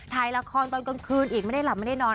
ถ่ายละครตอนกลางคืนอีกไม่ได้หลับไม่ได้นอน